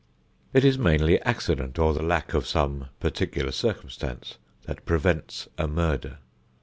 It is mainly accident or the lack of some particular circumstance that prevents a murder.